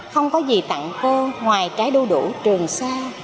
không có gì tặng cô ngoài trái đu đủ trường xa